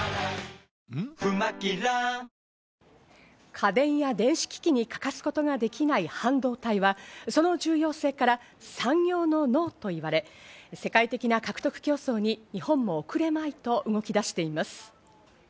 家電や電子機器に欠かすことができない半導体は、その重要性から産業の脳と言われ世界的な獲得競争に日本も遅れまいと動き出しています。